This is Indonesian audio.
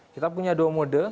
kita punya dua mode